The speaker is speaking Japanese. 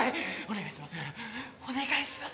お願いします！